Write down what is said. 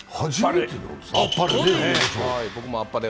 あっぱれ。